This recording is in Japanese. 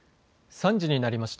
３時になりました。